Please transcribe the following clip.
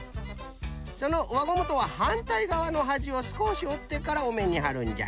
そのわゴムとははんたいがわのはじをすこしおってからおめんにはるんじゃ。